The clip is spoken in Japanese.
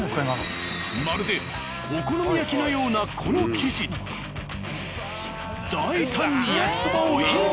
まるでお好み焼きのようなこの生地に大胆に焼きそばをイン！